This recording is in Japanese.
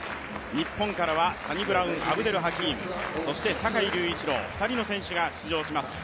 日本からはサニブラウン・アブデル・ハキームそして坂井隆一郎、２人の選手が出場します。